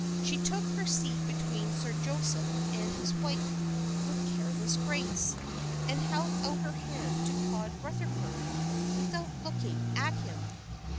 She took her seat between Sir Joseph and his wife with careless grace, and held out her hand to Claude Rutherford without looking at him.